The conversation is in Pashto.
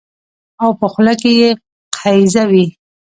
او په خوله کې يې قیضه وي